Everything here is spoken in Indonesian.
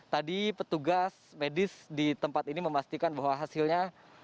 tadi petugas medis di tempat ini memastikan bahwa hasilnya